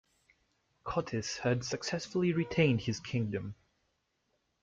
Cotys had successfully retained his kingdom.